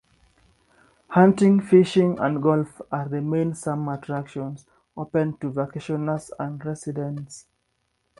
Hunting, fishing and golf are the main summer attractions open to vacationers and residents.